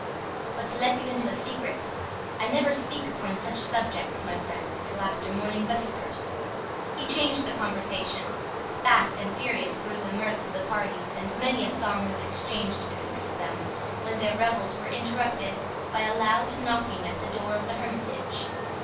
—But to let you into a secret, I never speak upon such subjects, my friend, until after morning vespers." He changed the conversation; fast and furious grew the mirth of the parties, and many a song was exchanged betwixt them, when their revels were interrupted by a loud knocking at the door of the hermitage.